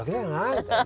みたいな。